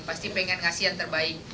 pasti pengen ngasih yang terbaik